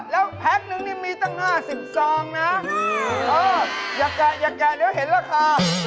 แล้วแพ็คนึงนี่มีตั้ง๕๐ซองนะอยากแกะเดี๋ยวเห็นราคา